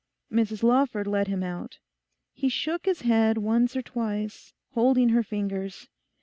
Mrs Lawford let him out. He shook his head once or twice, holding her fingers.